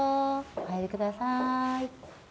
お入りください。